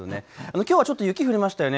きょうちょっと雪降りましたよね。